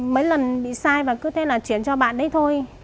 mấy lần bị sai và cứ thế là chuyển cho bạn đấy thôi